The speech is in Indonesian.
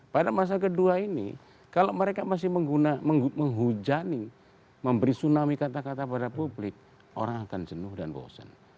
pada masa kedua ini kalau mereka masih menghujani memberi tsunami kata kata pada publik orang akan jenuh dan bosen